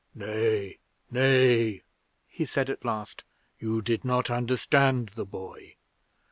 'Nay, nay!' he said at last. 'You did not understand the boy.